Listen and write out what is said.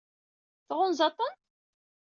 Tɣunzaḍ-ten?